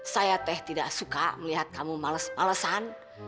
saya teh tidak suka melihat kamu males malesan